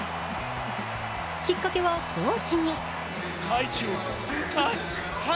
きっかけはコーチに。